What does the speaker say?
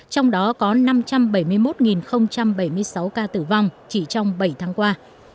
trong đó có năm trăm bảy mươi một bảy mươi sáu ca tử vong chỉ trong bảy tháng qua